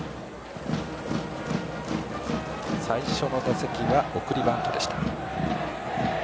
最初の打席は送りバントでした。